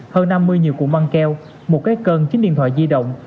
hơn năm mươi nhiều cụ măng keo một cái cơn chín điện thoại di động